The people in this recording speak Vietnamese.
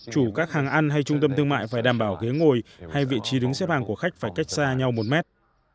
chủ các hàng ăn hay trung tâm thương mại phải đảm bảo ghế ngồi hay vị trí đứng xếp hàng của khách phải cách xa nhau một mét